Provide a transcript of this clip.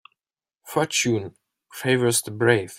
Fortune favours the brave.